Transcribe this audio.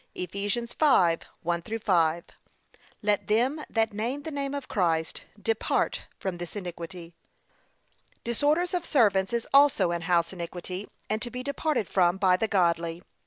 (Eph. 5:1 5) Let them then that name the name of Christ, depart from this iniquity. Disorders of servants is also an house iniquity, and to be departed from by the godly.